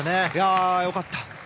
良かった。